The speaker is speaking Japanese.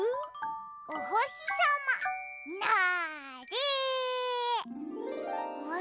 おほしさまなれ！わ！